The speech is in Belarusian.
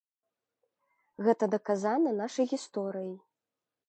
Гэта даказана нашай гісторыяй.